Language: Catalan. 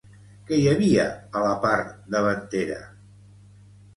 Què hi havia a la part davantera?